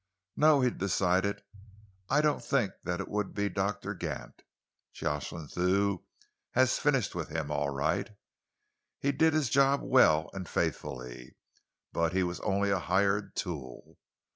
"No," he decided, "I don't think that it would be Doctor Gant. Jocelyn Thew has finished with him all right. He did his job well and faithfully, but he was only a hired tool.